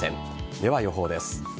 では予報です。